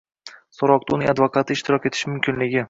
so‘roqda uning advokati ishtirok etishi mumkinligi;